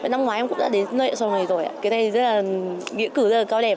năm ngoái em cũng đã đến nơi sau ngày rồi